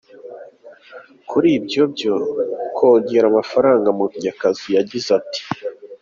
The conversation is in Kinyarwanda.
Kuri ibyo byo kongera amafaranga Munyakazi yagize ati:.